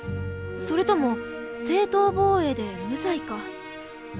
それとも正当防衛で無罪か。